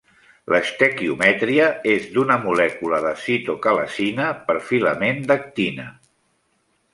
L'estequiometria és d'una molècula de citocalasina per filament d'actina.